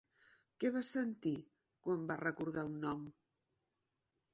Què va sentir quan va recordar un nom?